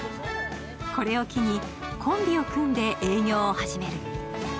これを機にコンビを組んで営業を始める。